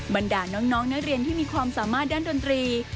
บรรดาน้องนักเรียนที่มีความสามารถด้านดนตรี